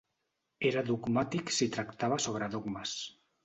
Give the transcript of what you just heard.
Era dogmàtic si tractava sobre dogmes.